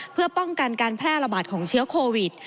เพื่อป้องกันการแพร่ระบาดของเชื้อโควิด